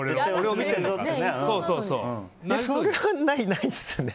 それは、ないですね。